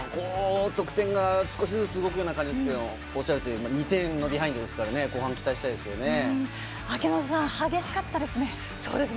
得点が少しずつ動くような感じですけどもおっしゃるとおり２点のビハインドですから後半期待したいですよね。